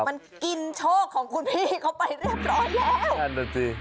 มันกินโชคของคุณพี่เข้าไปเรียบร้อยแล้ว